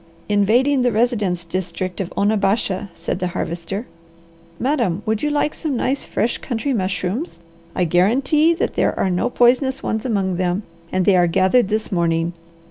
"Invading the residence district of Onabasha," said the Harvester. "Madam, would you like some nice, fresh, country mushrooms? I guarantee that there are no poisonous ones among them, and they were gathered this morning.